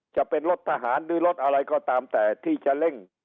จะเป็นรถทหารหรือรถอะไรก็ตามแต่ที่จะเร่ง